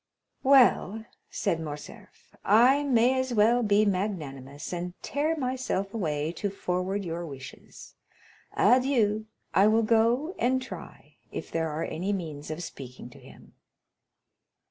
"Well," said Morcerf, "I may as well be magnanimous, and tear myself away to forward your wishes. Adieu; I will go and try if there are any means of speaking to him."